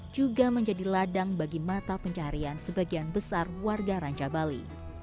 juga menjadi ladang bagi mata pencaharian sebagian besar warga ranca bali